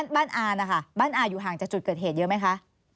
บ้านอานะคะบ้านอาอยู่ห่างจากจุดเกิดเหตุเยอะไหมคะ